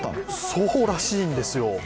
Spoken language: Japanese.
そうらしいんですよ。